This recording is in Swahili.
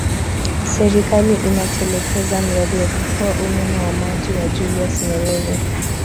Serikali inatekeleza mradi wa kufua umeme wa maji wa Julius Nyerere